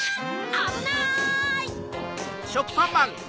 あぶない！